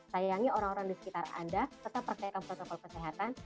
sayangi orang orang di sekitar anda tetap percayakan protokol kesehatan